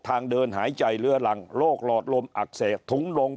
ทางเดินหายใจเรื้อรังโรคหลอดลมอักเสบถุงลง